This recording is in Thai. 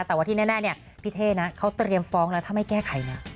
แต่ว่าที่แน่เนี่ยพี่เท่นะเขาเตรียมฟ้องแล้วถ้าไม่แก้ไขนะ